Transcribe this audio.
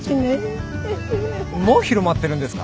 もう広まってるんですか！？